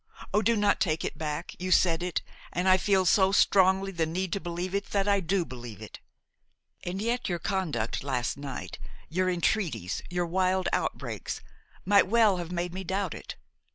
Oh! do not take it back; you said it, and I feel so strongly the need to believe it that I do believe it. And yet your conduct last night, your entreaties, your wild outbreaks, might well have made me doubt it.